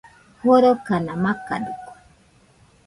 Jorokana makadɨkue